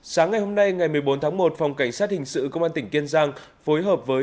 sáng ngày hôm nay ngày một mươi bốn tháng một phòng cảnh sát hình sự công an tỉnh kiên giang phối hợp với